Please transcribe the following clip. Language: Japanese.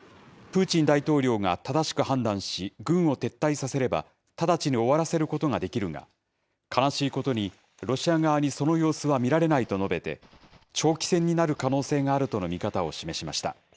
こうした中、アメリカ・ホワイトハウスのカービー戦略広報調整官は、プーチン大統領が正しく判断し、軍を撤退させれば、直ちに終わらせることができるが、悲しいことに、ロシア側にその様子は見られないと述べて、長期戦になる可能性があるとの見方を示しました。